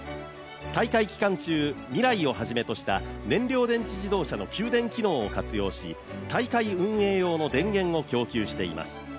大会期間中、ＭＩＲＡＩをはじめとした燃料電池自動車の給電機能を活用し、大会運営用の電源を供給しています。